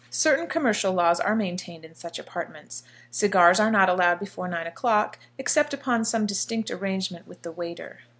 Certain commercial laws are maintained in such apartments. Cigars are not allowed before nine o'clock, except upon some distinct arrangement with the waiter.